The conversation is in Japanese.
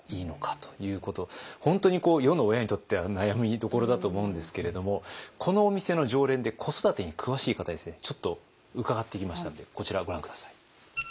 本当に世の親にとっては悩みどころだと思うんですけれどもこのお店の常連で子育てに詳しい方にですねちょっと伺ってきましたのでこちらをご覧下さい。